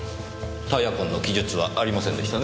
タイヤ痕の記述はありませんでしたね。